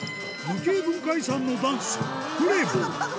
無形文化遺産のダンス、フレヴォ。